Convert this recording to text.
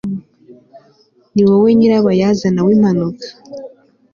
Niwowe nyirabayazana wimpanuka